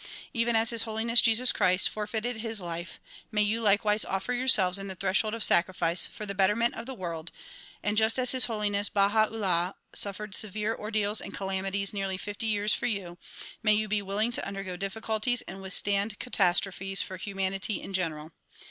Even as His Holiness Jesus Christ forfeited his life, may you likewise offer yourselves in the threshold of sacrifice for the betterment of the world ; and just as His Holiness Baha 'Ullah suft'ered severe ordeals and calamities nearly fifty years for you, may you be 52 THE PRO:\IULGATION OF UNIVERSAL PEACE willing to undergo difficulties and withstand catastrophies for hu manity in general.